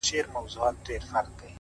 د عمل دوام د استعداد نه مهم دی